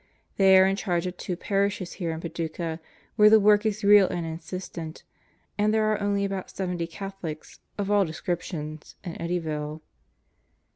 They are in charge of two parishes here in Paducah where the work is real and insistent. And there are only about seventy Catho lics of all descriptions in Eddyville.